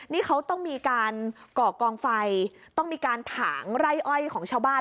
นี่เขาต้องมีการก่อกองไฟต้องมีการถางไร่อ้อยของชาวบ้าน